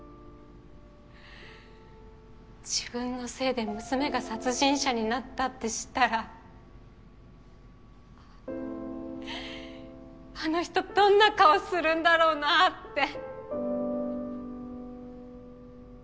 自分のせいで娘が殺人者になったって知ったらあの人どんな顔するんだろうなあって。